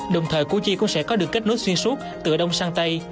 đồng thời củ chi cũng sẽ có được kết nối xuyên suốt từ đông sang tây